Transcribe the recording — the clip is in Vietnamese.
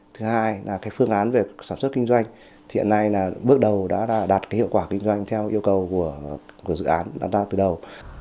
thứ hai là cái phương án về sản xuất kinh doanh hiện nay là bước đầu đã đạt hiệu quả kinh doanh theo yêu cầu của dự án đặt ra từ đầu